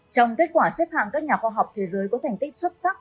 trong kết quả xếp hạng các nhà khoa học thế giới có thành tích xuất sắc